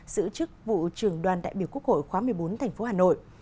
giữ chức vụ trưởng đoàn đại biểu quốc hội khóa một mươi bốn tp hà nội